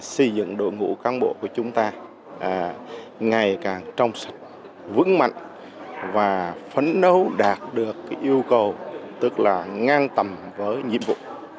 xây dựng đội ngũ cán bộ của chúng ta ngày càng trong sạch vững mạnh và phấn đấu đạt được yêu cầu tức là ngang tầm với nhiệm vụ